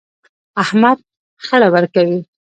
احمد خړه ورکوي.